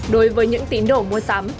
đối với những tín đổ mua sắm